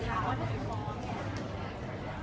ถามว่าถ้าคุณฟ้องเนี่ย